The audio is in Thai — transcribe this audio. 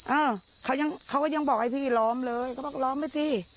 เออเขายังเขาก็ยังบอกไอ้พี่ล้อมเลยเขาบอกล้อมไปสิ